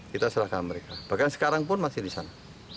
kita serahkan mereka bahkan sekarang pun masih di sana